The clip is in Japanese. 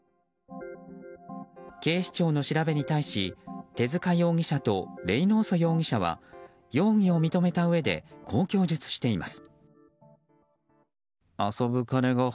警視庁の調べに対し手塚容疑者とレイノーソ容疑者は容疑を認めたうえでこう供述しています。